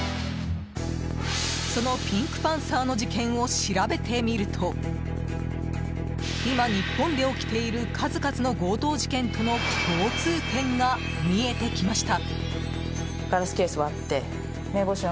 そのピンクパンサーの事件を調べてみると今、日本で起きている数々の強盗事件との共通点が見えてきました。